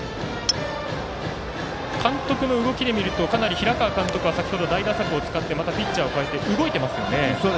監督の動きで見るとかなり平川監督は先ほど、代打策を使ってピッチャーを代えて動いてますよね。